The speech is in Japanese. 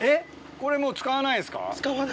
これもう使わないんですか？